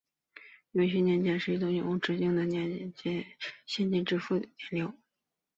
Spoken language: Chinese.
永续年金是一种永无止境的年金或者现金支付流。